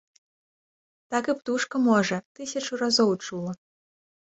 Так і птушка можа, тысячу разоў чула.